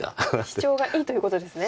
シチョウがいいということですね。